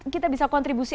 kita bisa kontribusi